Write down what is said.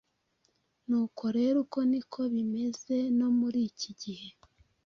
Nuko rero uko ni ko bikimeze no muri iki gihe;